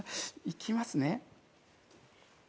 いきますね。